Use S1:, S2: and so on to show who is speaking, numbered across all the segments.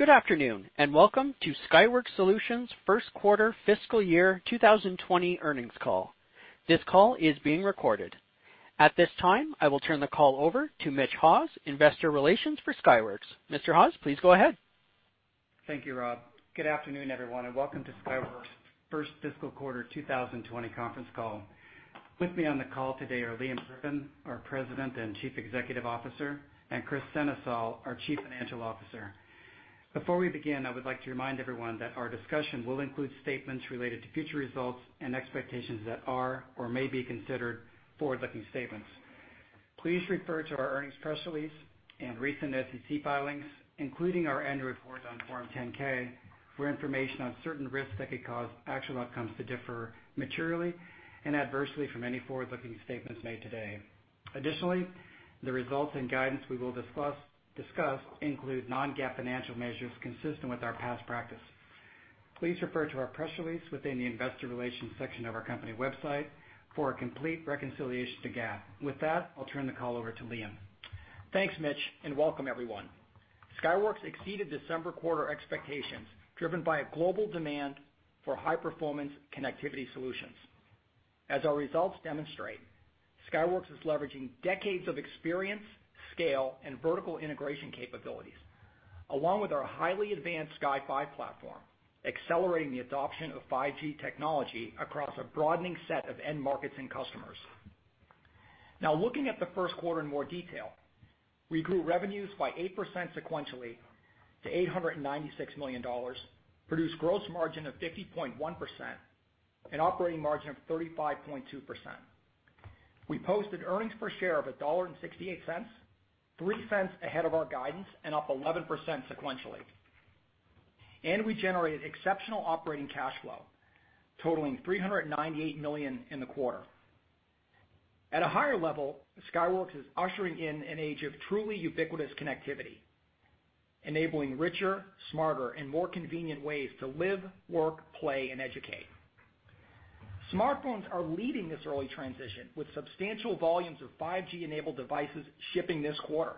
S1: Good afternoon, and welcome to Skyworks Solutions First Quarter fiscal year 2020 earnings call. This call is being recorded. At this time, I will turn the call over to Mitch Haws, Investor Relations for Skyworks. Mr. Haws, please go ahead.
S2: Thank you, Rob. Good afternoon, everyone, and welcome to Skyworks' First Fiscal Quarter 2020 conference call. With me on the call today are Liam Griffin, our President and Chief Executive Officer, and Kris Sennesael, our Chief Financial Officer. Before we begin, I would like to remind everyone that our discussion will include statements related to future results and expectations that are or may be considered forward-looking statements. Please refer to our earnings press release and recent SEC filings, including our annual report on Form 10-K, for information on certain risks that could cause actual outcomes to differ materially and adversely from any forward-looking statements made today. Additionally, the results and guidance we will discuss include non-GAAP financial measures consistent with our past practice. Please refer to our press release within the investor relations section of our company website for a complete reconciliation to GAAP. With that, I'll turn the call over to Liam.
S3: Thanks, Mitch, and welcome everyone. Skyworks exceeded December quarter expectations, driven by a global demand for high-performance connectivity solutions. As our results demonstrate, Skyworks is leveraging decades of experience, scale, and vertical integration capabilities, along with our highly advanced Sky5 platform, accelerating the adoption of 5G technology across a broadening set of end markets and customers. Now, looking at the first quarter in more detail, we grew revenues by 8% sequentially to $896 million, produced gross margin of 50.1% and operating margin of 35.2%. We posted earnings per share of $1.68, $0.03 ahead of our guidance and up 11% sequentially. We generated exceptional operating cash flow, totaling $398 million in the quarter. At a higher level, Skyworks is ushering in an age of truly ubiquitous connectivity, enabling richer, smarter, and more convenient ways to live, work, play, and educate. Smartphones are leading this early transition, with substantial volumes of 5G-enabled devices shipping this quarter.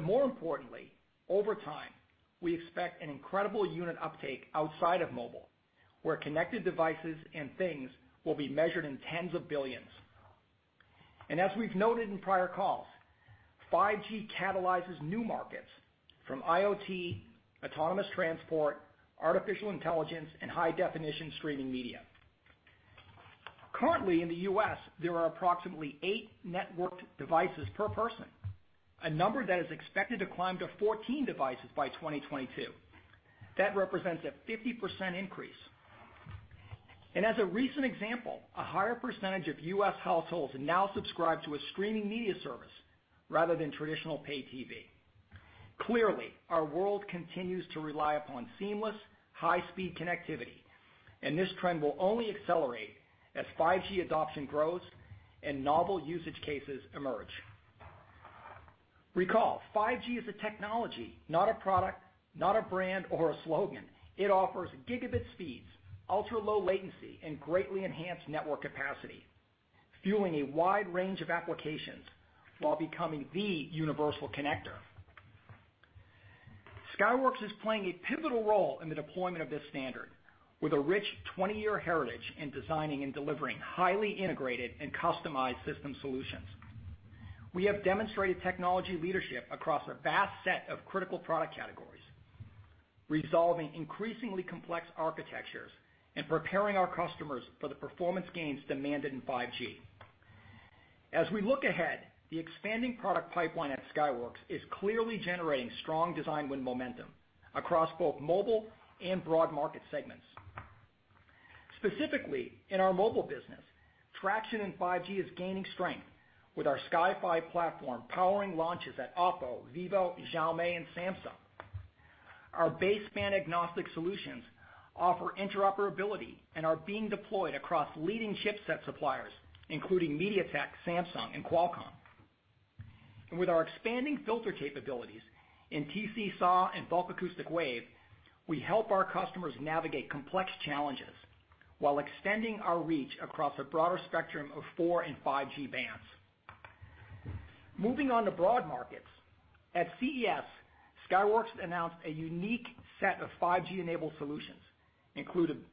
S3: More importantly, over time, we expect an incredible unit uptake outside of mobile, where connected devices and things will be measured in tens of billions. As we've noted in prior calls, 5G catalyzes new markets from IoT, autonomous transport, artificial intelligence, and high-definition streaming media. Currently, in the U.S., there are approximately eight networked devices per person, a number that is expected to climb to 14 devices by 2022, that represents a 50% increase. As a recent example, a higher percentage of U.S. households now subscribe to a streaming media service rather than traditional paid TV. Clearly, our world continues to rely upon seamless, high-speed connectivity, and this trend will only accelerate as 5G adoption grows and novel usage cases emerge. Recall, 5G is a technology, not a product, not a brand, or a slogan. It offers gigabit speeds, ultra low latency, and greatly enhanced network capacity, fueling a wide range of applications while becoming the universal connector. Skyworks is playing a pivotal role in the deployment of this standard, with a rich 20-year heritage in designing and delivering highly integrated and customized system solutions. We have demonstrated technology leadership across a vast set of critical product categories, resolving increasingly complex architectures and preparing our customers for the performance gains demanded in 5G. As we look ahead, the expanding product pipeline at Skyworks is clearly generating strong design win momentum across both mobile and broad market segments. Specifically, in our mobile business, traction in 5G is gaining strength with our Sky5 platform powering launches at Oppo, Vivo, Xiaomi, and Samsung. Our baseband-agnostic solutions offer interoperability and are being deployed across leading chipset suppliers, including MediaTek, Samsung, and Qualcomm. With our expanding filter capabilities in TC SAW and bulk acoustic wave, we help our customers navigate complex challenges while extending our reach across a broader spectrum of 4G and 5G bands. Moving on to broad markets, at CES, Skyworks announced a unique set of 5G-enabled solutions,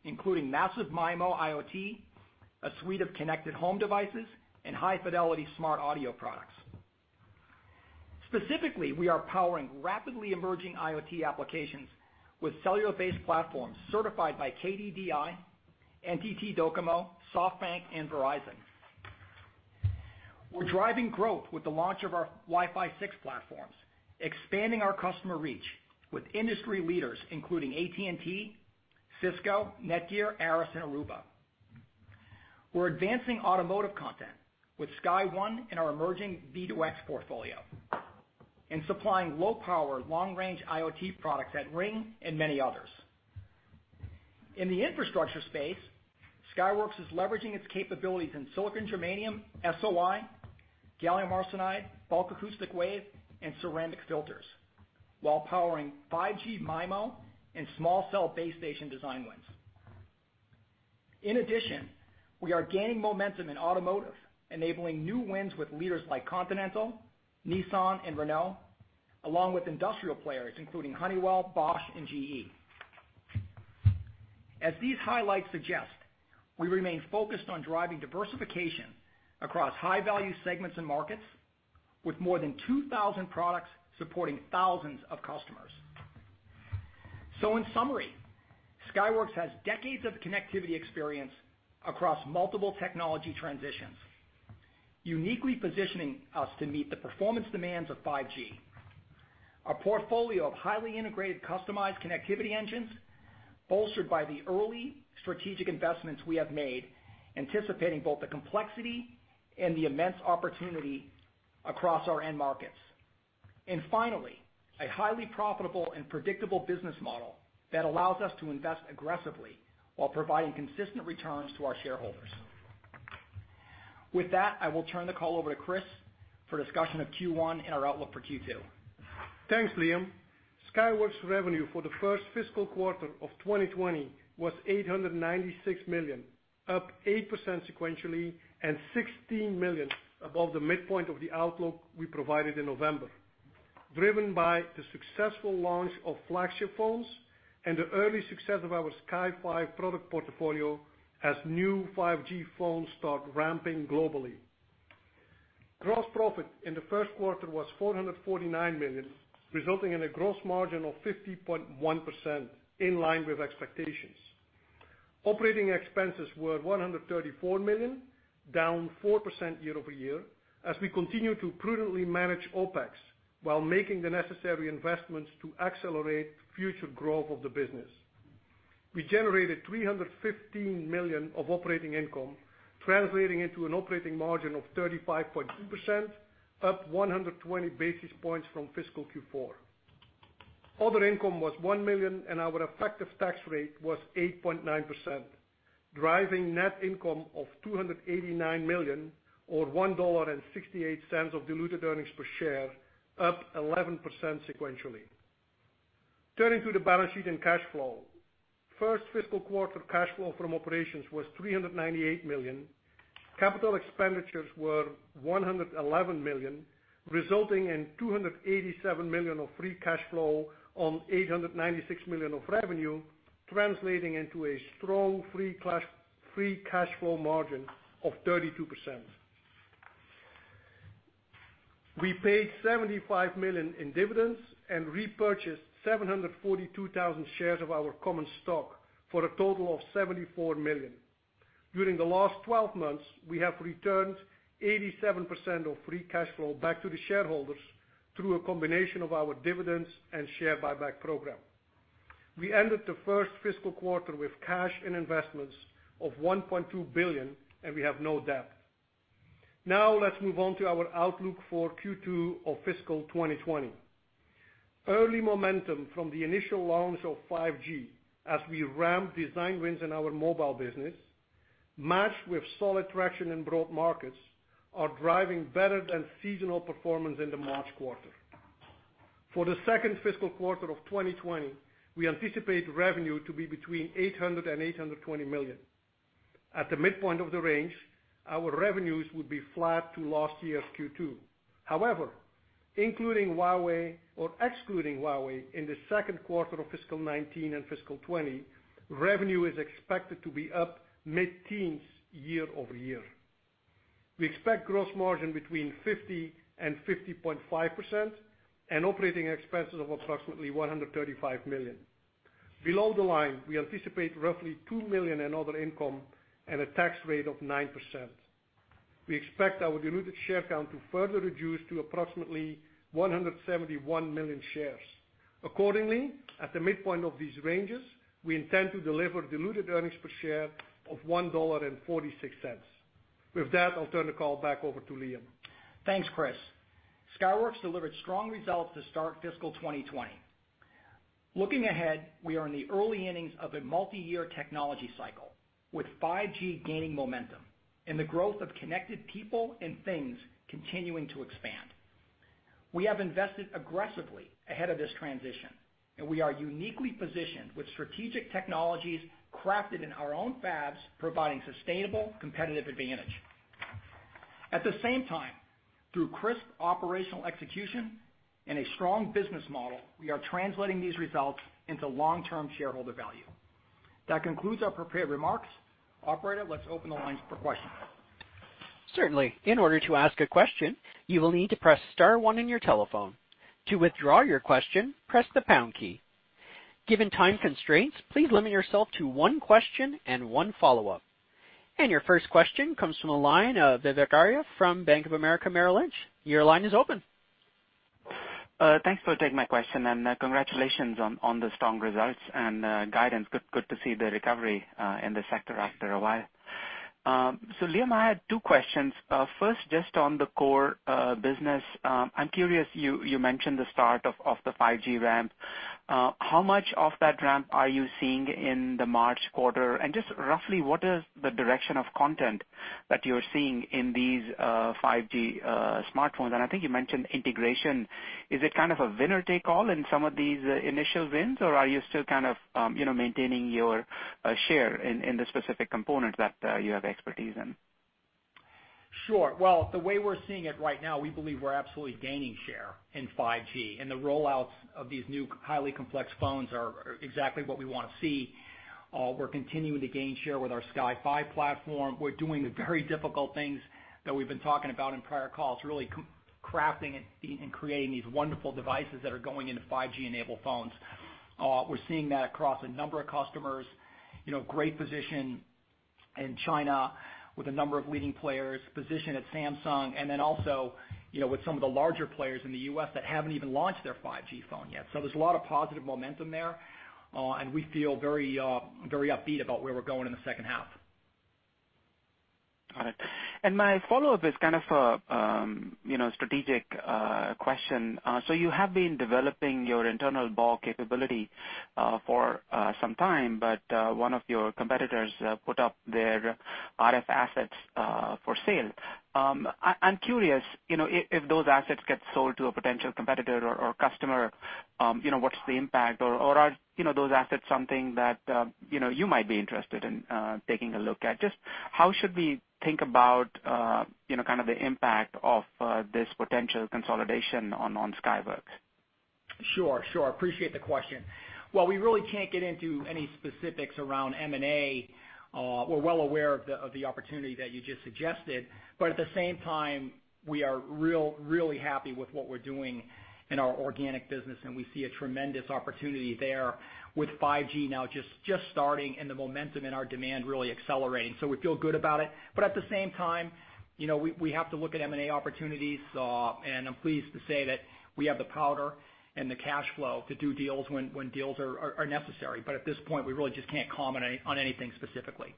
S3: including massive MIMO IoT, a suite of connected home devices, and high-fidelity smart audio products. Specifically, we are powering rapidly emerging IoT applications with cellular-based platforms certified by KDDI, NTT Docomo, SoftBank, and Verizon. We're driving growth with the launch of our Wi-Fi 6 platforms, expanding our customer reach with industry leaders including AT&T, Cisco, NETGEAR, Arris, and Aruba. We're advancing automotive content with Sky5 and our emerging V2X portfolio and supplying low-power, long-range IoT products at Ring and many others. In the infrastructure space, Skyworks is leveraging its capabilities in silicon germanium, SOI, gallium arsenide, bulk acoustic wave, and ceramic filters while powering 5G MIMO and small cell base station design wins. In addition, we are gaining momentum in automotive, enabling new wins with leaders like Continental, Nissan, and Renault, along with industrial players including Honeywell, Bosch, and GE. As these highlights suggest, we remain focused on driving diversification across high-value segments and markets with more than 2,000 products supporting thousands of customers. In summary, Skyworks has decades of connectivity experience across multiple technology transitions, uniquely positioning us to meet the performance demands of 5G. Our portfolio of highly integrated, customized connectivity engines, bolstered by the early strategic investments we have made, anticipating both the complexity and the immense opportunity across our end markets. Finally, a highly profitable and predictable business model that allows us to invest aggressively while providing consistent returns to our shareholders. With that, I will turn the call over to Kris for discussion of Q1 and our outlook for Q2.
S4: Thanks, Liam. Skyworks revenue for the first fiscal quarter of 2020 was $896 million, up 8% sequentially, and $16 million above the midpoint of the outlook we provided in November, driven by the successful launch of flagship phones and the early success of our Sky5 product portfolio as new 5G phones start ramping globally. Gross profit in the first quarter was $449 million, resulting in a gross margin of 50.1%, in line with expectations. Operating expenses were $134 million, down 4% year-over-year as we continue to prudently manage OpEx while making the necessary investments to accelerate future growth of the business. We generated $315 million of operating income, translating into an operating margin of 35.2%, up 120 basis points from fiscal Q4. Other income was $1 million, and our effective tax rate was 8.9%, driving net income of $289 million, or $1.68 of diluted earnings per share, up 11% sequentially. Turning to the balance sheet and cash flow. First fiscal quarter cash flow from operations was $398 million. Capital expenditures were $111 million, resulting in $287 million of free cash flow on $896 million of revenue, translating into a strong free cash flow margin of 32%. We paid $75 million in dividends and repurchased 742,000 shares of our common stock for a total of $74 million. During the last 12 months, we have returned 87% of free cash flow back to the shareholders through a combination of our dividends and share buyback program. We ended the first fiscal quarter with cash and investments of $1.2 billion and we have no debt. Let's move on to our outlook for Q2 of fiscal 2020. Early momentum from the initial launch of 5G as we ramp design wins in our mobile business, matched with solid traction in broad markets, are driving better than seasonal performance in the March quarter. For the second fiscal quarter of 2020, we anticipate revenue to be between $800 million and $820 million. At the midpoint of the range, our revenues would be flat to last year's Q2. Including Huawei or excluding Huawei in the second quarter of fiscal 2019 and fiscal 2020, revenue is expected to be up mid-teens year-over-year. We expect gross margin between 50% and 50.5% and operating expenses of approximately $135 million. Below the line, we anticipate roughly $2 million in other income and a tax rate of 9%. We expect our diluted share count to further reduce to approximately 171 million shares. Accordingly, at the midpoint of these ranges, we intend to deliver diluted earnings per share of $1.46. With that, I'll turn the call back over to Liam.
S3: Thanks, Kris. Skyworks delivered strong results to start fiscal 2020. Looking ahead, we are in the early innings of a multi-year technology cycle with 5G gaining momentum and the growth of connected people and things continuing to expand. We have invested aggressively ahead of this transition, we are uniquely positioned with strategic technologies crafted in our own fabs providing sustainable competitive advantage. At the same time, through crisp operational execution and a strong business model, we are translating these results into long-term shareholder value. That concludes our prepared remarks. Operator, let's open the lines for questions.
S1: Certainly. In order to ask a question, you will need to press star one on your telephone. To withdraw your question, press the pound key. Given time constraints, please limit yourself to one question and one follow-up. Your first question comes from the line of Vivek Arya from Bank of America Merrill Lynch. Your line is open.
S5: Thanks for taking my question, and congratulations on the strong results and guidance. Good to see the recovery in the sector after a while. Liam, I had two questions. First, just on the core business. I'm curious, you mentioned the start of the 5G ramp. How much of that ramp are you seeing in the March quarter? Just roughly, what is the direction of content that you're seeing in these 5G smartphones? I think you mentioned integration. Is it kind of a winner take all in some of these initial wins, or are you still kind of maintaining your share in the specific component that you have expertise in?
S3: Sure. Well, the way we're seeing it right now, we believe we're absolutely gaining share in 5G, and the rollouts of these new highly complex phones are exactly what we want to see. We're continuing to gain share with our Sky5 platform. We're doing the very difficult things that we've been talking about in prior calls, really crafting and creating these wonderful devices that are going into 5G-enabled phones. We're seeing that across a number of customers. Great position in China with a number of leading players, position at Samsung, and then also, with some of the larger players in the U.S. that haven't even launched their 5G phone yet. There's a lot of positive momentum there, and we feel very upbeat about where we're going in the second half.
S5: My follow-up is kind of a strategic question. You have been developing your internal BAW capability for some time, but one of your competitors put up their RF assets for sale. I'm curious, if those assets get sold to a potential competitor or customer, what's the impact? Are those assets something that you might be interested in taking a look at? Just how should we think about kind of the impact of this potential consolidation on Skyworks?
S3: Sure. Appreciate the question. While we really can't get into any specifics around M&A, we're well aware of the opportunity that you just suggested. At the same time, we are really happy with what we're doing in our organic business, and we see a tremendous opportunity there with 5G now just starting and the momentum in our demand really accelerating. We feel good about it. At the same time, we have to look at M&A opportunities, and I'm pleased to say that we have the powder and the cash flow to do deals when deals are necessary. At this point, we really just can't comment on anything specifically.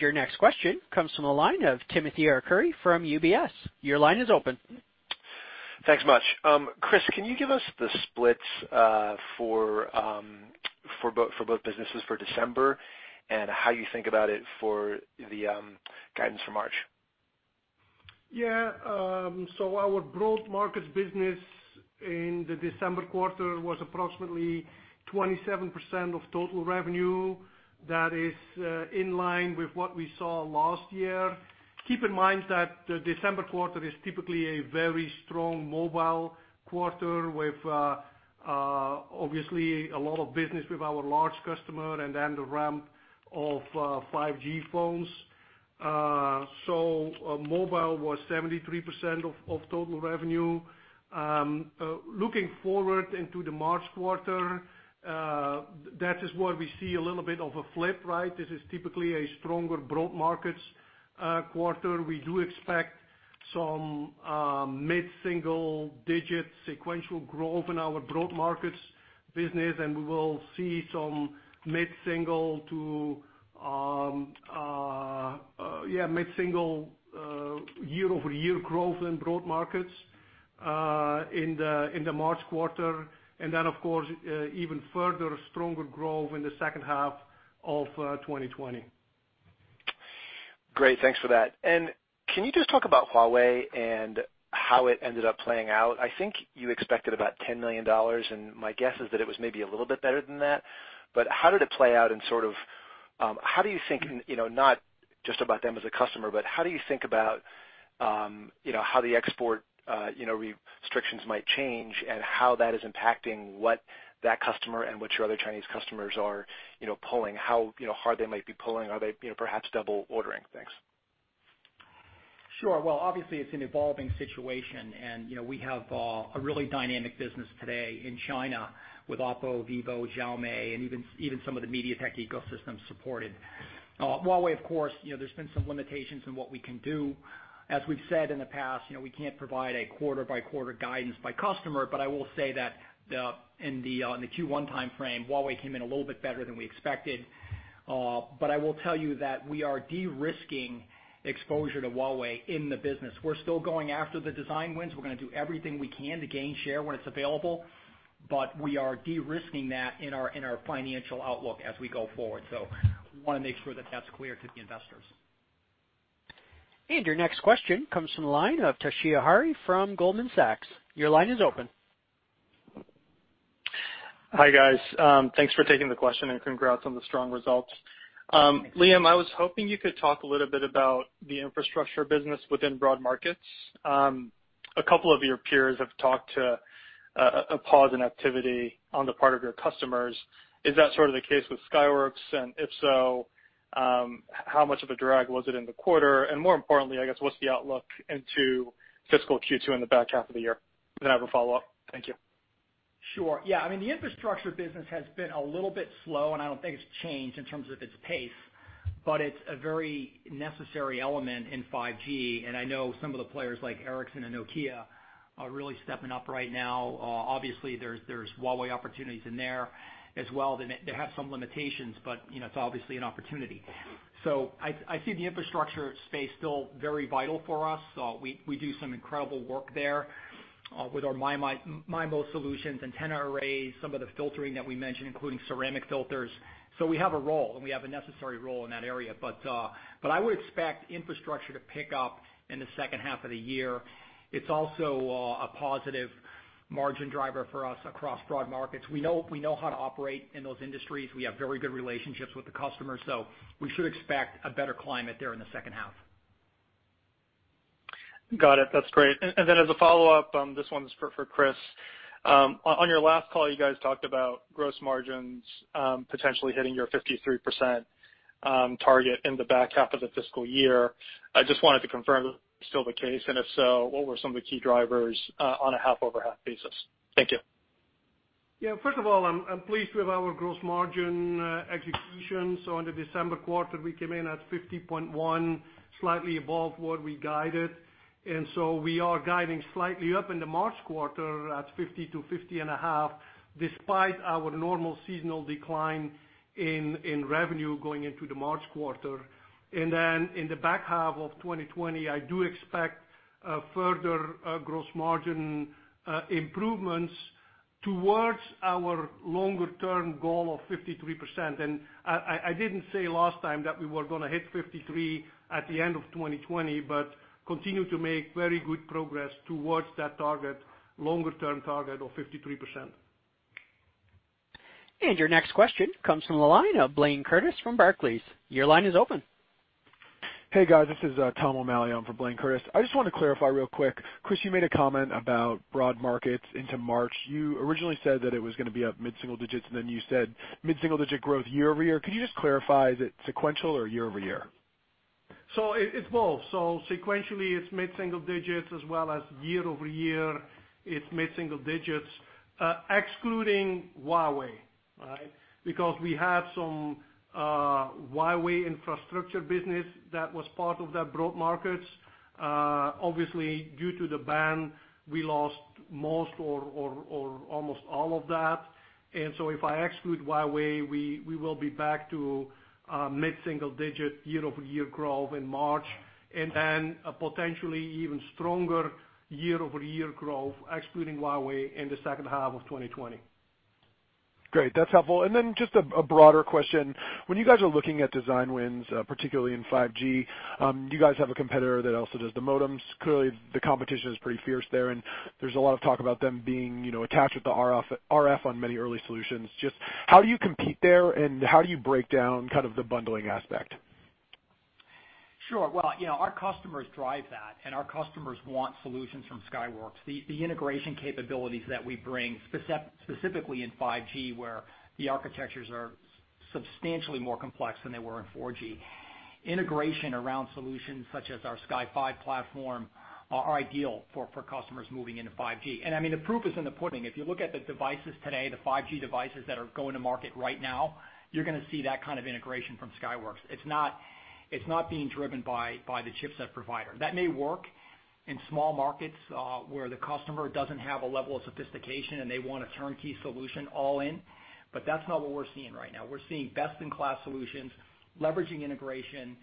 S1: Your next question comes from the line of Timothy Arcuri from UBS. Your line is open.
S6: Thanks much. Kris, can you give us the splits for both businesses for December and how you think about it for the guidance for March?
S4: Our broad markets business in the December quarter was approximately 27% of total revenue. That is in line with what we saw last year. Keep in mind that the December quarter is typically a very strong mobile quarter with obviously a lot of business with our large customer and then the ramp of 5G phones. Mobile was 73% of total revenue. Looking forward into the March quarter, that is where we see a little bit of a flip, right? This is typically a stronger broad markets quarter. We do expect some mid-single digit sequential growth in our broad markets business, and we will see some mid-single year-over-year growth in broad markets in the March quarter. Of course, even further stronger growth in the second half of 2020.
S6: Great. Thanks for that. Can you just talk about Huawei and how it ended up playing out? I think you expected about $10 million, and my guess is that it was maybe a little bit better than that. How did it play out and sort of how do you think, not just about them as a customer, but how do you think about how the export restrictions might change and how that is impacting what that customer and what your other Chinese customers are pulling, how hard they might be pulling? Are they perhaps double ordering? Thanks.
S3: Sure. Well, obviously it's an evolving situation. We have a really dynamic business today in China with Oppo, Vivo, Xiaomi, and even some of the MediaTek ecosystem supported. Huawei, of course, there's been some limitations in what we can do. As we've said in the past, we can't provide a quarter-by-quarter guidance by customer. I will say that in the Q1 timeframe, Huawei came in a little bit better than we expected. I will tell you that we are de-risking exposure to Huawei in the business. We're still going after the design wins. We're going to do everything we can to gain share when it's available, but we are de-risking that in our financial outlook as we go forward. I want to make sure that that's clear to the investors.
S1: Your next question comes from the line of Toshiya Hari from Goldman Sachs. Your line is open.
S7: Hi, guys. Thanks for taking the question and congrats on the strong results.
S3: Thanks.
S7: Liam, I was hoping you could talk a little bit about the infrastructure business within broad markets. A couple of your peers have talked to a pause in activity on the part of your customers. Is that sort of the case with Skyworks? If so, how much of a drag was it in the quarter? More importantly, I guess, what's the outlook into fiscal Q2 in the back half of the year? I have a follow-up. Thank you.
S3: Sure. Yeah. I mean, the infrastructure business has been a little bit slow, and I don't think it's changed in terms of its pace, but it's a very necessary element in 5G, and I know some of the players like Ericsson and Nokia are really stepping up right now. Obviously, there's Huawei opportunities in there as well. They have some limitations, but it's obviously an opportunity. I see the infrastructure space still very vital for us. We do some incredible work there with our MIMO solutions, antenna arrays, some of the filtering that we mentioned, including ceramic filters. We have a role, and we have a necessary role in that area. I would expect infrastructure to pick up in the second half of the year. It's also a positive margin driver for us across broad markets. We know how to operate in those industries. We have very good relationships with the customers. We should expect a better climate there in the second half.
S7: Got it. That's great. Then as a follow-up, this one's for Kris. On your last call, you guys talked about gross margins potentially hitting your 53% target in the back half of the fiscal year. I just wanted to confirm if that's still the case, and if so, what were some of the key drivers on a half-over-half basis? Thank you.
S4: Yeah. First of all, I'm pleased with our gross margin execution. In the December quarter, we came in at 50.1%, slightly above what we guided. We are guiding slightly up in the March quarter at 50%-50.5%, despite our normal seasonal decline in revenue going into the March quarter. In the back half of 2020, I do expect further gross margin improvements towards our longer-term goal of 53%. I didn't say last time that we were going to hit 53% at the end of 2020, but continue to make very good progress towards that target, longer-term target of 53%.
S1: Your next question comes from the line of Blayne Curtis from Barclays. Your line is open.
S8: Hey, guys. This is Tom O'Malley. I'm from Blayne Curtis. I just want to clarify real quick. Chris, you made a comment about broad markets into March. You originally said that it was going to be up mid-single digits, and then you said mid-single-digit growth year-over-year. Could you just clarify, is it sequential or year-over-year?
S4: It's both. Sequentially, it's mid-single digits as well as year-over-year, it's mid-single digits, excluding Huawei. We have some Huawei infrastructure business that was part of that broad markets. Obviously, due to the ban, we lost most or almost all of that. If I exclude Huawei, we will be back to mid-single digit year-over-year growth in March, then a potentially even stronger year-over-year growth, excluding Huawei, in the second half of 2020.
S8: Great. That's helpful. Just a broader question. When you guys are looking at design wins, particularly in 5G, you guys have a competitor that also does the modems. Clearly, the competition is pretty fierce there, and there's a lot of talk about them being attached at the RF on many early solutions. Just how do you compete there, and how do you break down kind of the bundling aspect?
S3: Sure. Well, our customers drive that, and our customers want solutions from Skyworks. The integration capabilities that we bring, specifically in 5G, where the architectures are substantially more complex than they were in 4G. Integration around solutions such as our Sky5 platform are ideal for customers moving into 5G. I mean, the proof is in the pudding. If you look at the devices today, the 5G devices that are going to market right now, you're going to see that kind of integration from Skyworks. It's not being driven by the chipset provider. That may work in small markets, where the customer doesn't have a level of sophistication and they want a turnkey solution all in, but that's not what we're seeing right now. We're seeing best-in-class solutions, leveraging integration,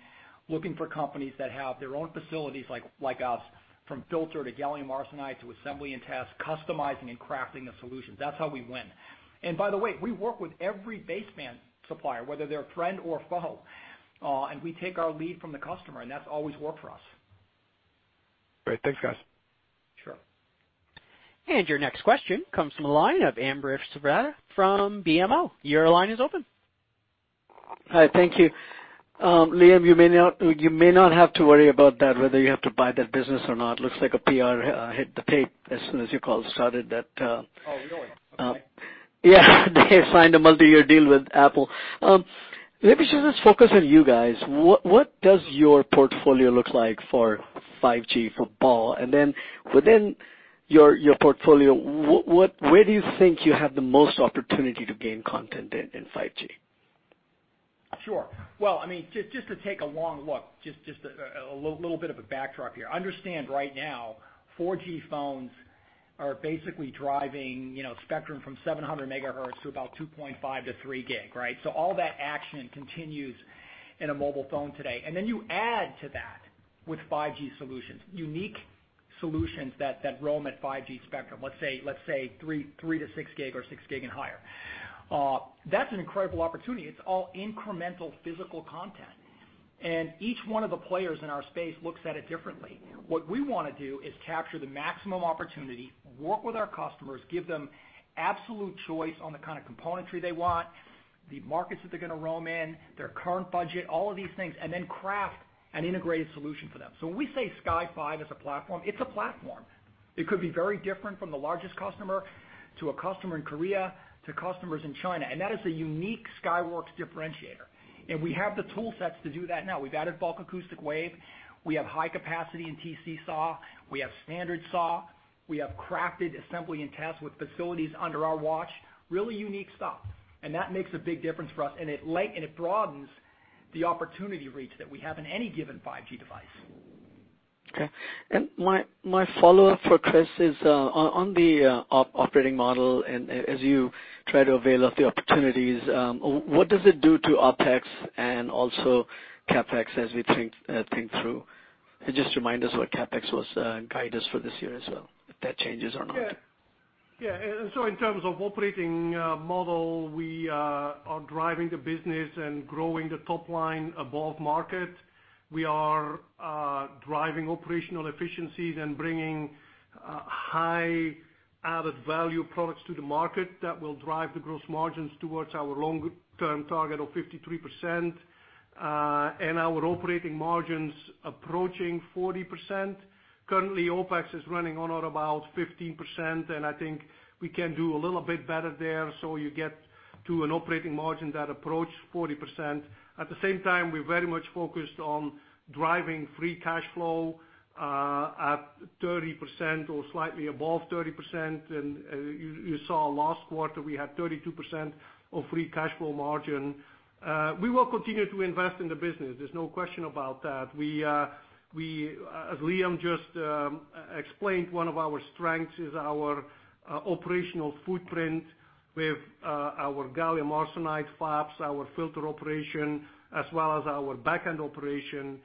S3: looking for companies that have their own facilities like us, from filter to gallium arsenide to assembly and test, customizing and crafting the solutions. That's how we win. By the way, we work with every baseband supplier, whether they're friend or foe, and we take our lead from the customer, and that's always worked for us.
S8: Great. Thanks, guys.
S3: Sure.
S1: Your next question comes from the line of Ambrish Srivastava from BMO. Your line is open.
S9: Hi, thank you. Liam, you may not have to worry about that, whether you have to buy that business or not. It looks like a PR hit the tape as soon as your call started that.
S3: Oh, really? Okay.
S9: Yeah. They signed a multi-year deal with Apple. Let me just focus on you guys. What does your portfolio look like for 5G for BAW? Within your portfolio, where do you think you have the most opportunity to gain content in 5G?
S3: Sure. Well, just to take a long look, just a little bit of a backdrop here. Understand right now, 4G phones are basically driving spectrum from 700 Megahertz to about 2.5-3 gig. All that action continues in a mobile phone today. Then you add to that with 5G solutions, unique solutions that roam at 5G spectrum. Let's say 3-6 gig or six gig and higher. That's an incredible opportunity. It's all incremental physical content. Each one of the players in our space looks at it differently. What we want to do is capture the maximum opportunity, work with our customers, give them absolute choice on the kind of componentry they want, the markets that they're going to roam in, their current budget, all of these things, and then craft an integrated solution for them. When we say Sky5 as a platform, it's a platform. It could be very different from the largest customer to a customer in Korea to customers in China. That is a unique Skyworks differentiator. We have the tool sets to do that now. We've added bulk acoustic wave, we have high capacity in TC SAW, we have standard SAW, we have crafted assembly and test with facilities under our watch, really unique stuff. That makes a big difference for us. It broadens the opportunity reach that we have in any given 5G device.
S9: Okay. My follow-up for Kris is on the operating model, as you try to avail of the opportunities, what does it do to OpEx and also CapEx as we think through? Just remind us what CapEx was, guide us for this year as well, if that changes or not?
S4: Yeah. In terms of operating model, we are driving the business and growing the top line above market. We are driving operational efficiencies and bringing high added value products to the market that will drive the gross margins towards our long-term target of 53%, and our operating margins approaching 40%. Currently, OpEx is running on or about 15%, and I think we can do a little bit better there, so you get to an operating margin that approaches 40%. At the same time, we're very much focused on driving free cash flow at 30% or slightly above 30%. You saw last quarter we had 32% of free cash flow margin. We will continue to invest in the business. There's no question about that. As Liam just explained, one of our strengths is our operational footprint with our gallium arsenide fabs, our filter operation, as well as our back-end operation.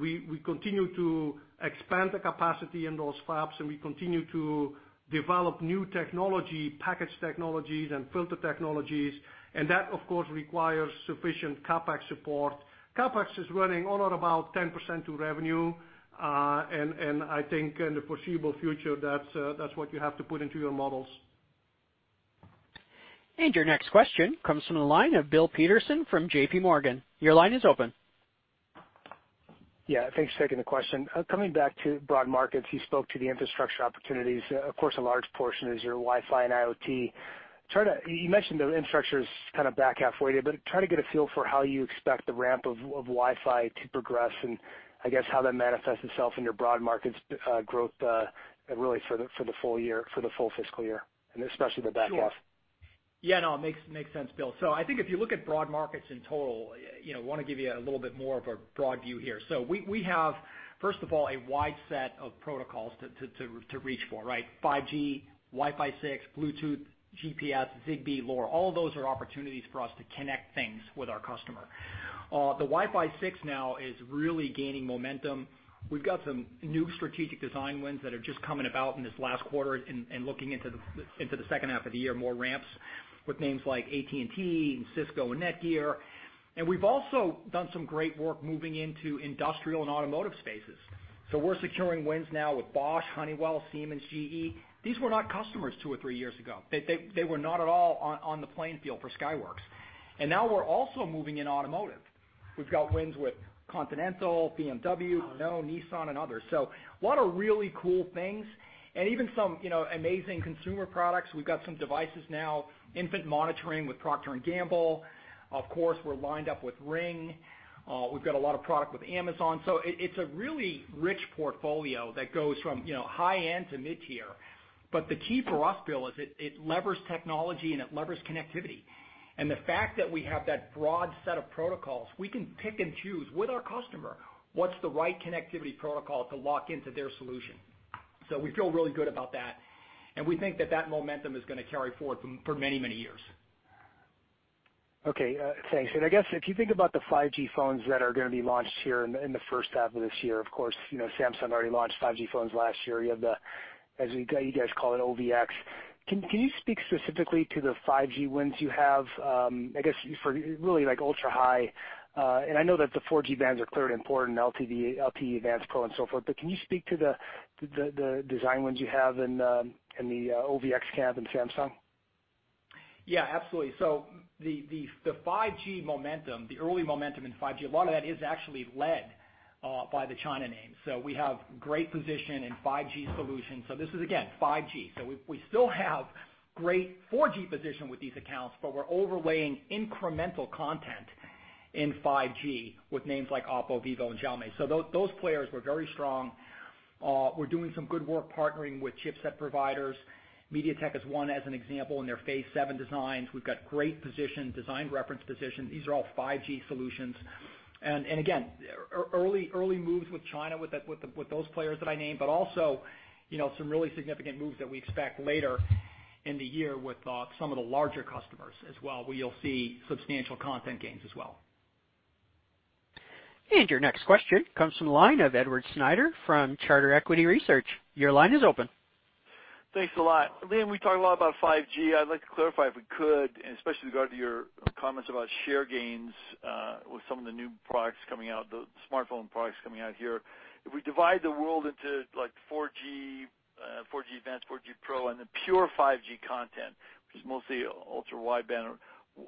S4: We continue to expand the capacity in those fabs, and we continue to develop new technology, package technologies, and filter technologies. That, of course, requires sufficient CapEx support. CapEx is running on or about 10% to revenue. I think in the foreseeable future, that's what you have to put into your models.
S1: Your next question comes from the line of Bill Peterson from J.P. Morgan. Your line is open.
S10: Yeah. Thanks for taking the question. Coming back to broad markets, you spoke to the infrastructure opportunities. Of course, a large portion is your Wi-Fi and IoT. You mentioned the infrastructure's kind of back half weighted, but try to get a feel for how you expect the ramp of Wi-Fi to progress and I guess how that manifests itself in your broad markets growth really for the full fiscal year, and especially the back half.
S3: Sure. Yeah, no, it makes sense, Bill. I think if you look at broad markets in total, want to give you a little bit more of a broad view here. We have, first of all, a wide set of protocols to reach for, right? 5G, Wi-Fi 6, Bluetooth, GPS, Zigbee, LoRa, all those are opportunities for us to connect things with our customer. The Wi-Fi 6 now is really gaining momentum. We've got some new strategic design wins that are just coming about in this last quarter and looking into the second half of the year, more ramps with names like AT&T and Cisco and NETGEAR. We've also done some great work moving into industrial and automotive spaces. We're securing wins now with Bosch, Honeywell, Siemens, GE. These were not customers two or three years ago. They were not at all on the playing field for Skyworks. Now we're also moving in automotive. We've got wins with Continental, BMW, Renault, Nissan, and others. A lot of really cool things and even some amazing consumer products. We've got some devices now, infant monitoring with Procter & Gamble. Of course, we're lined up with Ring. We've got a lot of product with Amazon. It's a really rich portfolio that goes from high-end to mid-tier. The key for us, Bill, is it levers technology and it levers connectivity. The fact that we have that broad set of protocols, we can pick and choose with our customer what's the right connectivity protocol to lock into their solution. We feel really good about that, and we think that that momentum is going to carry forward for many, many years.
S10: Okay, thanks. I guess if you think about the 5G phones that are going to be launched here in the first half of this year, of course, Samsung already launched 5G phones last year. You have the, as you guys call it, V2X. Can you speak specifically to the 5G wins you have, I guess, for really ultra-high? I know that the 4G bands are clear and important, LTE Advanced Pro and so forth, but can you speak to the design wins you have in the V2X camp and Samsung?
S3: Yeah, absolutely. The 5G momentum, the early momentum in 5G, a lot of that is actually led by the China names. We have great position in 5G solutions. This is, again, 5G. We still have great 4G position with these accounts, but we're overlaying incremental content in 5G with names like Oppo, Vivo, and Xiaomi. Those players were very strong. We're doing some good work partnering with chipset providers. MediaTek is one as an example in their phase VIII designs. We've got great position, design reference position. These are all 5G solutions. Again, early moves with China with those players that I named, but also some really significant moves that we expect later in the year with some of the larger customers as well, where you'll see substantial content gains as well.
S1: Your next question comes from the line of Edward Snyder from Charter Equity Research. Your line is open.
S11: Thanks a lot. Liam, we talked a lot about 5G. I'd like to clarify if we could, and especially regarding your comments about share gains with some of the new products coming out, the smartphone products coming out here. If we divide the world into 4G Advanced, 4G Pro, and the pure 5G content, which is mostly ultra-wideband,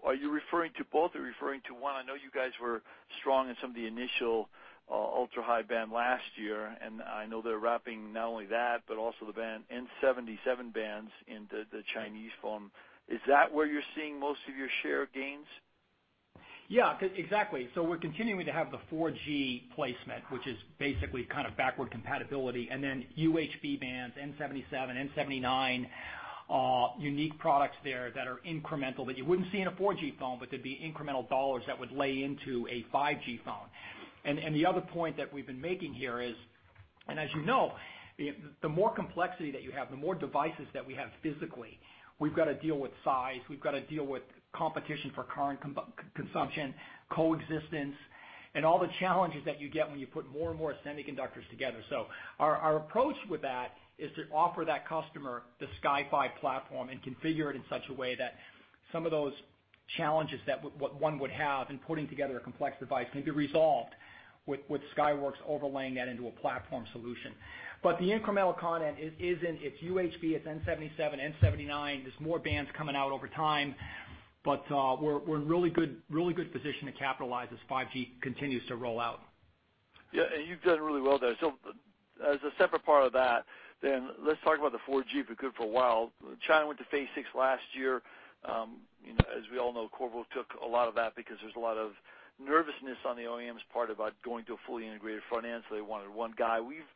S11: are you referring to both? Are you referring to one? I know you guys were strong in some of the initial ultra-high band last year, and I know they're wrapping not only that, but also the band N77 bands in the Chinese phone. Is that where you're seeing most of your share gains?
S3: Yeah, exactly. We're continuing to have the 4G placement, which is basically kind of backward compatibility, and then UHB bands, N77, N79, unique products there that are incremental that you wouldn't see in a 4G phone, but there'd be incremental dollars that would lay into a 5G phone. The other point that we've been making here is, and as you know, the more complexity that you have, the more devices that we have physically, we've got to deal with size, we've got to deal with competition for current consumption, coexistence, and all the challenges that you get when you put more and more semiconductors together. Our approach with that is to offer that customer the Sky5 platform and configure it in such a way that some of those challenges that one would have in putting together a complex device may be resolved with Skyworks overlaying that into a platform solution. The incremental content, it's UHB, it's N77, N79. There's more bands coming out over time. We're in a really good position to capitalize as 5G continues to roll out.
S11: Yeah. You've done really well there. As a separate part of that, let's talk about the 4G, for good for a while. China went to China six last year. As we all know, Qorvo took a lot of that because there's a lot of nervousness on the OEM's part about going to a fully integrated front end, so they wanted one guy. We've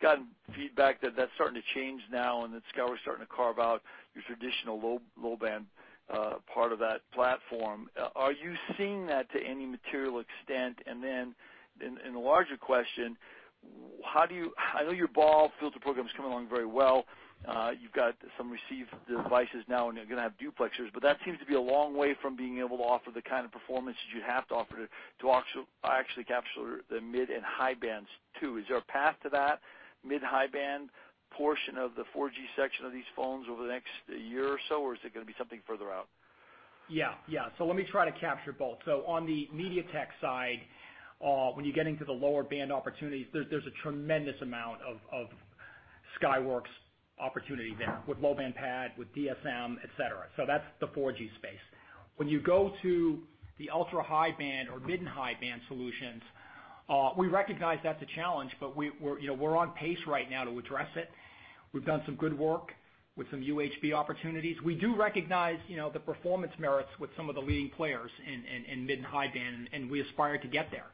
S11: gotten feedback that that's starting to change now and that Skyworks is starting to carve out your traditional low band part of that platform. Are you seeing that to any material extent? In a larger question, I know your BAW filter program's coming along very well. You've got some receive devices now, and they're going to have duplexers, but that seems to be a long way from being able to offer the kind of performance that you have to offer to actually capture the mid and high bands too. Is there a path to that mid-high band portion of the 4G section of these phones over the next year or so? Or is it going to be something further out?
S3: Let me try to capture both. On the MediaTek side, when you get into the lower band opportunities, there's a tremendous amount of Skyworks opportunity there with low-band PAD, with DSM, et cetera. That's the 4G space. When you go to the ultra-high band or mid and high-band solutions, we recognize that's a challenge, but we're on pace right now to address it. We've done some good work with some UHB opportunities. We do recognize the performance merits with some of the leading players in mid and high-band, and we aspire to get there.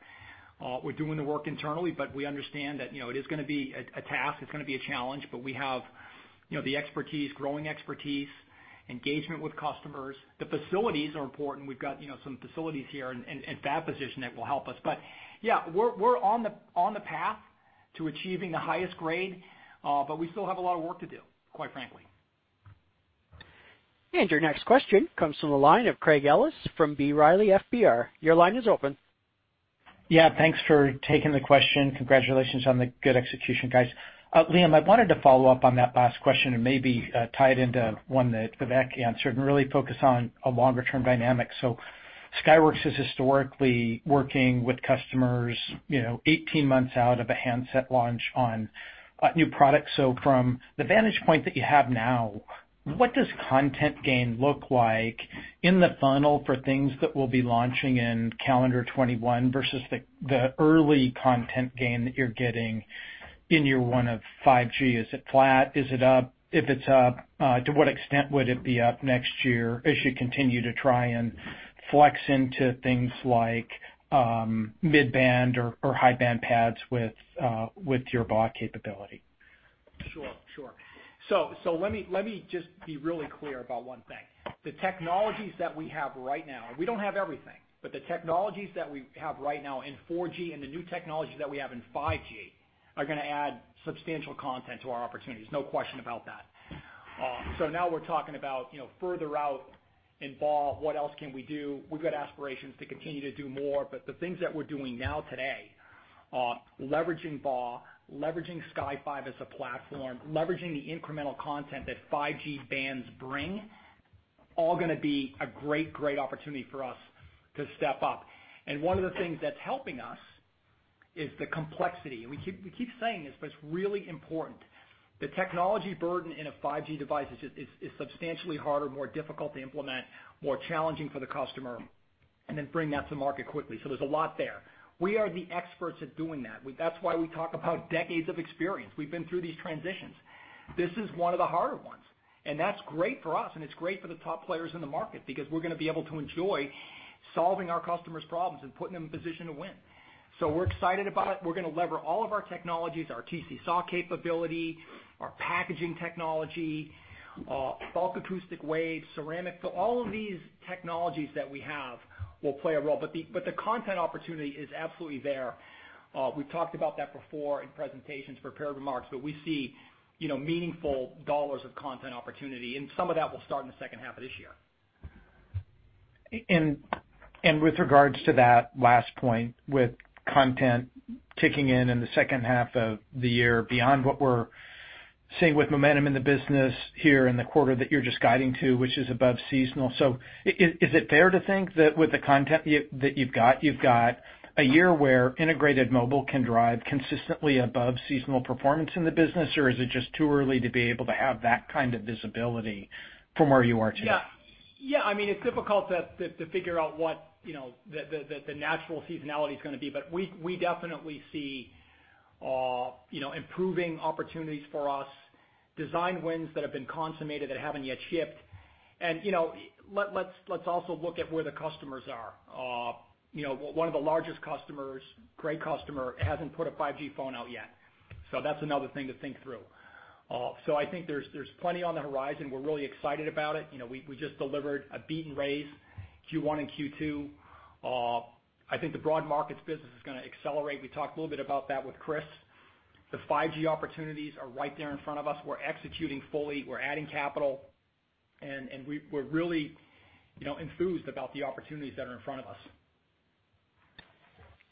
S3: We're doing the work internally, but we understand that it is going to be a task. It's going to be a challenge, but we have the expertise, growing expertise, engagement with customers. The facilities are important. We've got some facilities here in fab position that will help us. Yeah, we're on the path to achieving the highest grade, but we still have a lot of work to do, quite frankly.
S1: Your next question comes from the line of Craig Ellis from B. Riley FBR. Your line is open.
S12: Yeah. Thanks for taking the question. Congratulations on the good execution, guys. Liam, I wanted to follow up on that last question and maybe tie it into one that Vivek answered and really focus on a longer-term dynamic. Skyworks is historically working with customers 18 months out of a handset launch on new products. From the vantage point that you have now, what does content gain look like in the funnel for things that will be launching in calendar 2021 versus the early content gain that you're getting in your one of 5G? Is it flat? Is it up? If it's up, to what extent would it be up next year as you continue to try and flex into things like mid-band or high-band PADs with your BAW capability?
S3: Sure. Let me just be really clear about one thing. The technologies that we have right now, and we don't have everything, but the technologies that we have right now in 4G and the new technologies that we have in 5G are going to add substantial content to our opportunities. No question about that. Now we're talking about further out in BAW, what else can we do? We've got aspirations to continue to do more, the things that we're doing now today, leveraging BAW, leveraging Sky5 as a platform, leveraging the incremental content that 5G bands bring, all going to be a great opportunity for us to step up. One of the things that's helping us is the complexity. We keep saying this, it's really important. The technology burden in a 5G device is substantially harder, more difficult to implement, more challenging for the customer, and then bring that to market quickly. There's a lot there. We are the experts at doing that. That's why we talk about decades of experience. We've been through these transitions. This is one of the harder ones, and that's great for us, and it's great for the top players in the market because we're going to be able to enjoy solving our customers' problems and putting them in position to win. We're excited about it. We're going to lever all of our technologies, our TC SAW capability, our packaging technology, bulk acoustic waves, ceramic. All of these technologies that we have will play a role, but the content opportunity is absolutely there. We've talked about that before in presentations, prepared remarks. We see meaningful dollars of content opportunity, and some of that will start in the second half of this year.
S12: With regards to that last point, with content kicking in in the second half of the year beyond what we're seeing with momentum in the business here in the quarter that you're just guiding to, which is above seasonal. Is it fair to think that with the content that you've got, you've got a year where integrated mobile can drive consistently above seasonal performance in the business? Is it just too early to be able to have that kind of visibility from where you are today?
S3: Yeah. It's difficult to figure out what the natural seasonality is going to be, but we definitely see improving opportunities for us, design wins that have been consummated that haven't yet shipped. Let's also look at where the customers are. One of the largest customers, great customer, hasn't put a 5G phone out yet. That's another thing to think through. I think there's plenty on the horizon. We're really excited about it. We just delivered a beat and raise Q1 and Q2. I think the broad markets business is going to accelerate. We talked a little bit about that with Kris. The 5G opportunities are right there in front of us. We're executing fully. We're adding capital. We're really enthused about the opportunities that are in front of us.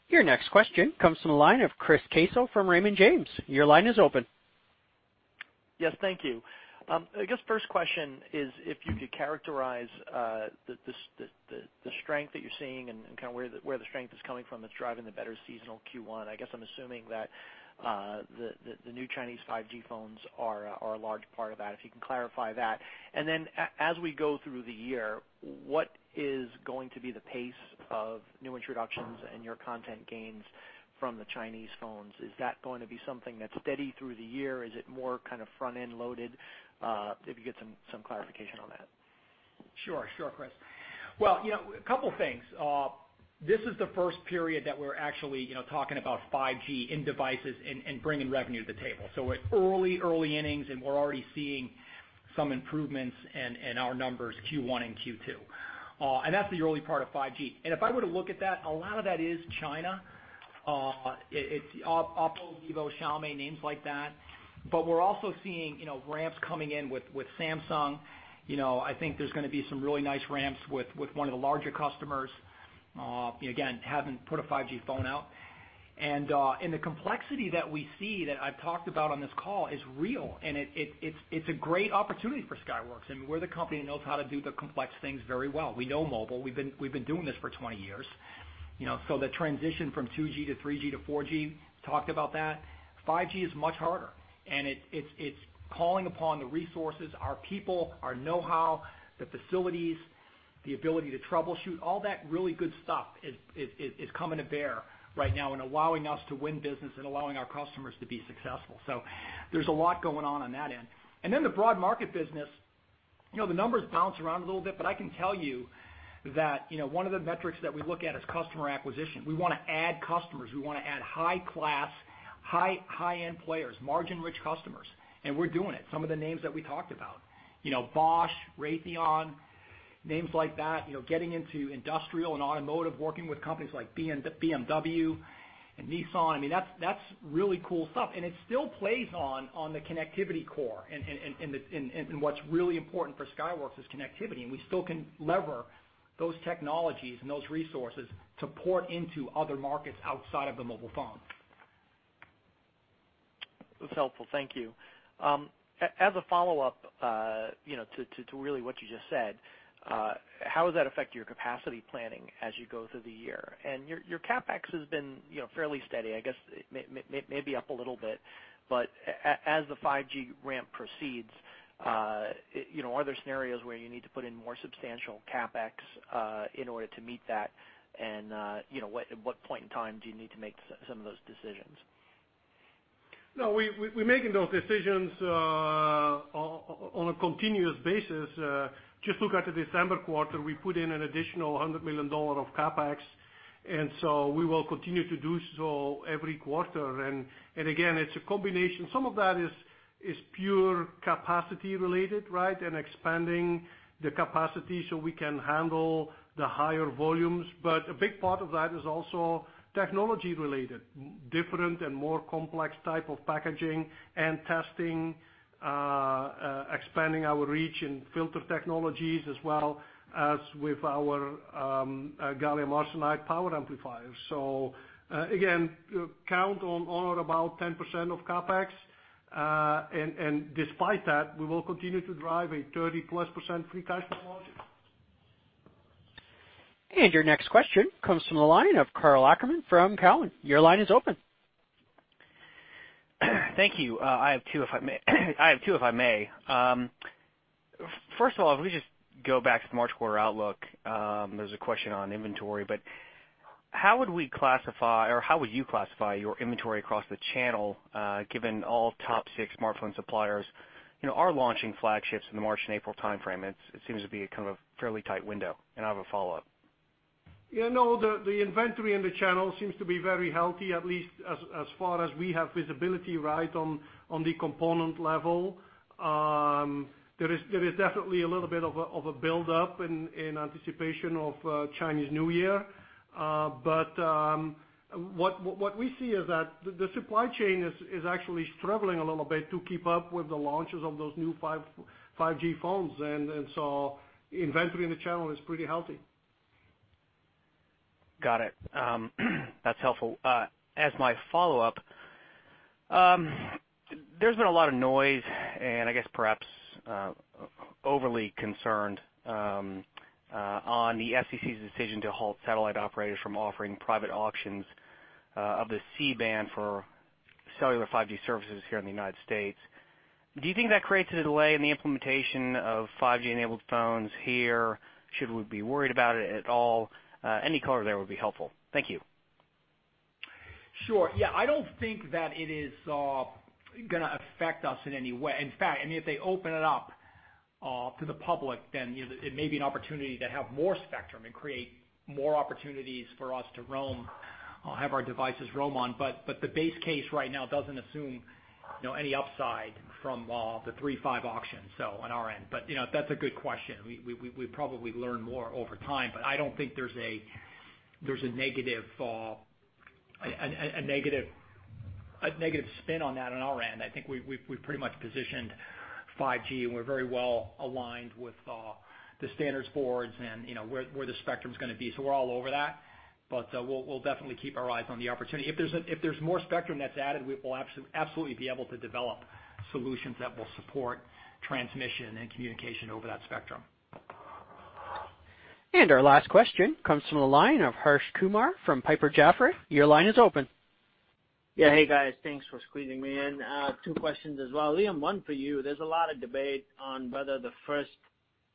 S1: Your next question comes from the line of Chris Caso from Raymond James. Your line is open.
S13: Yes, thank you. I guess first question is if you could characterize the strength that you're seeing and where the strength is coming from that's driving the better seasonal Q1. I guess I'm assuming that the new Chinese 5G phones are a large part of that, if you can clarify that. As we go through the year, what is going to be the pace of new introductions and your content gains from the Chinese phones? Is that going to be something that's steady through the year? Is it more kind of front-end loaded? If you could get some clarification on that.
S3: Sure, Chris. Well, a couple of things. This is the first period that we're actually talking about 5G in devices and bringing revenue to the table. We're early innings, and we're already seeing some improvements in our numbers Q1 and Q2. That's the early part of 5G. If I were to look at that, a lot of that is China. It's Oppo, Vivo, Xiaomi, names like that. We're also seeing ramps coming in with Samsung. I think there's going to be some really nice ramps with one of the larger customers, again, having put a 5G phone out. The complexity that we see, that I've talked about on this call, is real, and it's a great opportunity for Skyworks, and we're the company that knows how to do the complex things very well. We know mobile. We've been doing this for 20 years. The transition from 2G to 3G to 4G, talked about that. 5G is much harder, and it's calling upon the resources, our people, our know-how, the facilities, the ability to troubleshoot. All that really good stuff is coming to bear right now and allowing us to win business and allowing our customers to be successful. There's a lot going on on that end. Then the broad market business, the numbers bounce around a little bit, but I can tell you that one of the metrics that we look at is customer acquisition. We want to add customers. We want to add high-class, high-end players, margin-rich customers, and we're doing it. Some of the names that we talked about. Bosch, Raytheon, names like that, getting into industrial and automotive, working with companies like BMW and Nissan. That's really cool stuff. It still plays on the connectivity core, and what's really important for Skyworks is connectivity, and we still can lever those technologies and those resources to port into other markets outside of the mobile phone.
S13: That's helpful. Thank you. As a follow-up to really what you just said, how does that affect your capacity planning as you go through the year? Your CapEx has been fairly steady, I guess maybe up a little bit. As the 5G ramp proceeds, are there scenarios where you need to put in more substantial CapEx in order to meet that? At what point in time do you need to make some of those decisions?
S4: No, we're making those decisions on a continuous basis. Just look at the December quarter, we put in an additional $100 million of CapEx, so we will continue to do so every quarter. Again, it's a combination. Some of that is pure capacity related, and expanding the capacity so we can handle the higher volumes. A big part of that is also technology related, different and more complex type of packaging and testing, expanding our reach in filter technologies as well as with our gallium arsenide power amplifier. Again, count on or about 10% of CapEx. Despite that, we will continue to drive a 30-plus% free cash flow margin.
S1: Your next question comes from the line of Karl Ackerman from Cowen. Your line is open.
S14: Thank you. I have two, if I may. First of all, if we just go back to the March quarter outlook, there's a question on inventory. How would we classify, or how would you classify your inventory across the channel, given all top six smartphone suppliers are launching flagships in the March and April timeframe? It seems to be a kind of fairly tight window. I have a follow-up.
S3: The inventory in the channel seems to be very healthy, at least as far as we have visibility on the component level. There is definitely a little bit of a build-up in anticipation of Chinese New Year. What we see is that the supply chain is actually struggling a little bit to keep up with the launches of those new 5G phones, and so inventory in the channel is pretty healthy.
S14: Got it. That's helpful. As my follow-up, there's been a lot of noise, and I guess perhaps overly concerned, on the FCC's decision to halt satellite operators from offering private auctions of the C-band for cellular 5G services here in the United States. Do you think that creates a delay in the implementation of 5G-enabled phones here? Should we be worried about it at all? Any color there would be helpful. Thank you.
S3: Sure. Yeah, I don't think that it is going to affect us in any way. In fact, if they open it up to the public, it may be an opportunity to have more spectrum and create more opportunities for us to roam or have our devices roam on. The base case right now doesn't assume any upside from the 3.5 auction on our end. That's a good question. We'd probably learn more over time, I don't think there's a negative spin on that on our end. I think we've pretty much positioned 5G, we're very well aligned with the standards boards and where the spectrum's going to be. We're all over that, we'll definitely keep our eyes on the opportunity. If there's more spectrum that's added, we will absolutely be able to develop solutions that will support transmission and communication over that spectrum.
S1: Our last question comes from the line of Harsh Kumar from Piper Sandler. Your line is open.
S15: Hey, guys. Thanks for squeezing me in. Two questions as well. Liam, one for you. There's a lot of debate on whether the first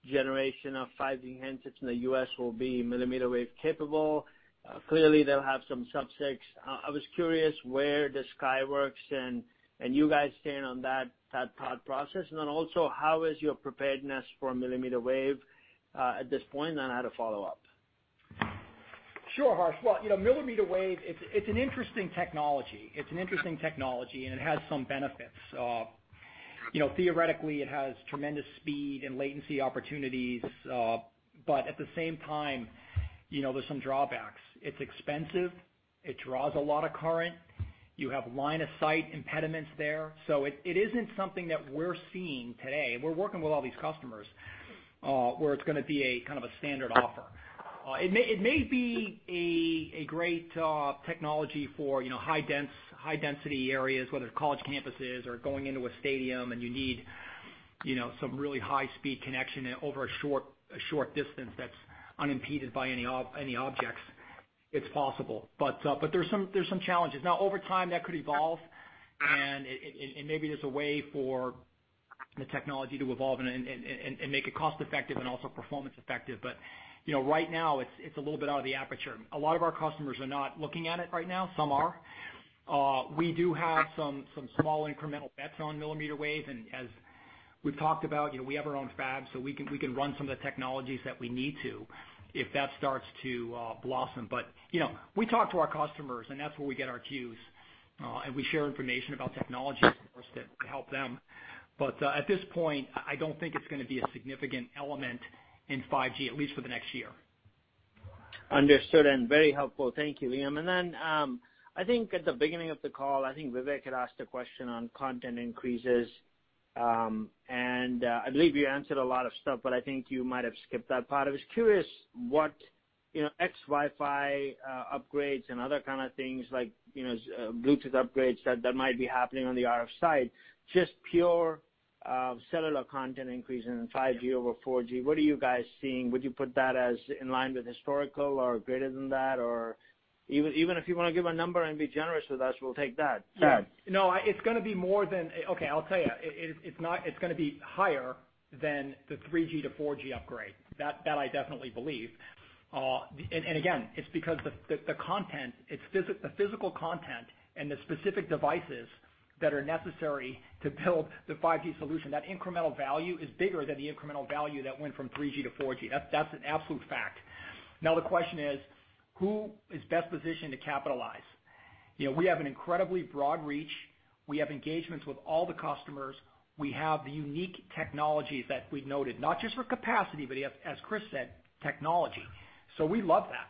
S15: generation of 5G handsets in the U.S. will be millimeter wave capable. Clearly, they'll have some subsets. I was curious where does Skyworks and you guys stand on that process? Also, how is your preparedness for millimeter wave at this point? I had a follow-up.
S3: Sure, Harsh. Well, millimeter wave, it's an interesting technology, and it has some benefits. Theoretically, it has tremendous speed and latency opportunities. At the same time, there's some drawbacks. It's expensive. It draws a lot of current. You have line of sight impediments there. It isn't something that we're seeing today, and we're working with all these customers, where it's going to be a kind of a standard offer. It may be a great technology for high density areas, whether it's college campuses or going into a stadium and you need some really high-speed connection over a short distance that's unimpeded by any objects. It's possible, but there's some challenges. Over time, that could evolve, and maybe there's a way for the technology to evolve and make it cost-effective and also performance effective. Right now, it's a little bit out of the aperture. A lot of our customers are not looking at it right now. Some are. We do have some small incremental bets on millimeter wave, and as we've talked about, we have our own fab, so we can run some of the technologies that we need to if that starts to blossom. We talk to our customers, and that's where we get our cues, and we share information about technology, of course, to help them. At this point, I don't think it's going to be a significant element in 5G, at least for the next year.
S15: Understood. Very helpful. Thank you, Liam. I think at the beginning of the call, I think Vivek had asked a question on content increases. I believe you answered a lot of stuff, but I think you might have skipped that part. I was curious what ex-Wi-Fi upgrades and other kind of things like Bluetooth upgrades that might be happening on the RF side, just pure cellular content increase in 5G over 4G. What are you guys seeing? Would you put that as in line with historical or greater than that? Even if you want to give a number and be generous with us, we'll take that.
S3: Yeah. No, it's going to be higher than the 3G to 4G upgrade. That I definitely believe. Again, it's because the content, the physical content and the specific devices that are necessary to build the 5G solution, that incremental value is bigger than the incremental value that went from 3G to 4G. That's an absolute fact. The question is, who is best positioned to capitalize? We have an incredibly broad reach. We have engagements with all the customers. We have the unique technologies that we've noted, not just for capacity, but as Kris said, technology. We love that.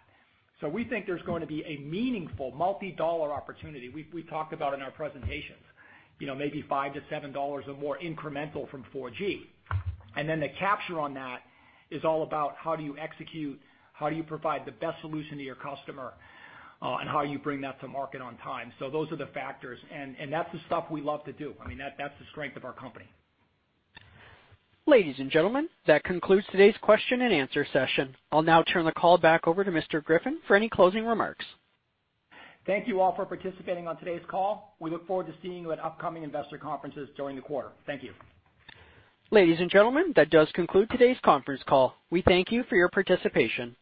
S3: We think there's going to be a meaningful multi-dollar opportunity. We talked about in our presentations maybe $5-$7 or more incremental from 4G. The capture on that is all about how do you execute, how do you provide the best solution to your customer, and how you bring that to market on time. Those are the factors, and that's the stuff we love to do. That's the strength of our company.
S1: Ladies and gentlemen, that concludes today's question and answer session. I'll now turn the call back over to Mr. Griffin for any closing remarks.
S3: Thank you all for participating on today's call. We look forward to seeing you at upcoming investor conferences during the quarter. Thank you.
S1: Ladies and gentlemen, that does conclude today's conference call. We thank you for your participation.